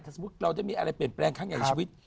ถ้าสมมุติเราได้มีอะไรเปลี่ยนแปลงข้างในชีวิต